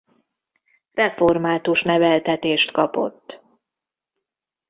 Református neveltetést kapott.